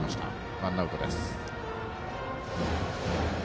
ワンアウトです。